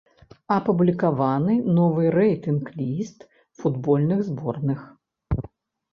Апублікаваны новы рэйтынг-ліст футбольных зборных.